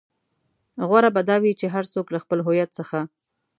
غوره به دا وي چې هر څوک له خپل هويت څخه.